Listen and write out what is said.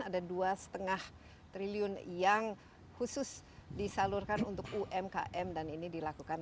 ada dua lima triliun yang khusus disalurkan untuk umkm dan ini dilakukan